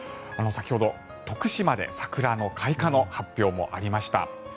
先ほど徳島で桜の開花の発表もありました。